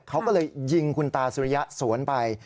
เขาก็เลยยิงคุณตาสุริยะสวนไป